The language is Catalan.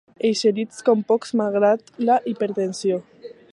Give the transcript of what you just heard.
Eixerits com pocs, malgrat la hipertensió.